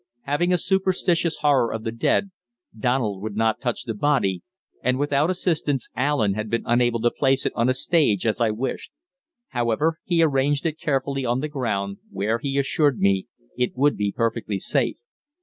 Having a superstitious horror of the dead, Donald would not touch the body, and without assistance Allen had been unable to place it on a stage as I wished. However, he arranged it carefully on the ground, where, he assured me, it would be perfectly safe.